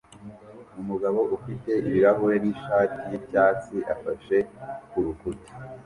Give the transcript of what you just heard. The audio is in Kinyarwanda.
Umugabo ufite ibirahure nishati yicyatsi afashe kurukuta